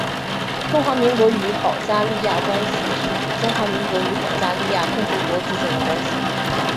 中华民国与保加利亚关系是指中华民国与保加利亚共和国之间的关系。